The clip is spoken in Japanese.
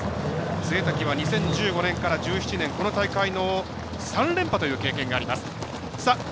潰滝は２０１５年から２０１７年３連覇という経験があります。